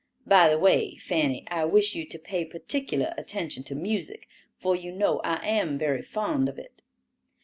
By the way, Fanny, I wish you to pay particular attention to music, for you know I am very fond of it."